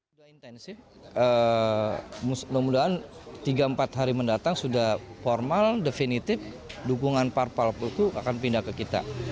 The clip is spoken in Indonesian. sudah intensif mudah mudahan tiga empat hari mendatang sudah formal definitif dukungan parpol akan pindah ke kita